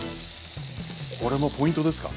これもポイントですか？